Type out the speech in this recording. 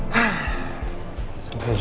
bisa di datengnya